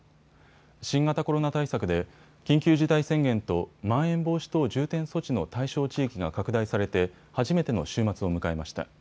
新型コロナ対策で緊急事態宣言とまん延防止等重点措置の対象地域が拡大されて初めての週末を迎えました。